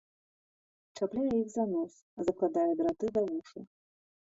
Чапляе іх на нос, закладае драты за вушы.